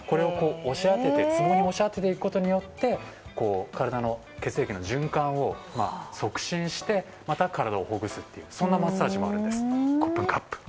これをつぼに押し当てていくことによって体の血液の循環を促進してまた体をほぐすっていうマッサージもあるんです。